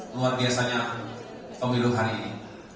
luar biasanya pemilu hari ini